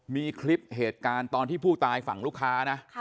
มีคลิปเหตุการณ์ตอนที่ผู้ตายฝั่งลูกค้านะ